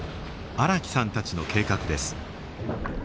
荒木さんたちの計画です。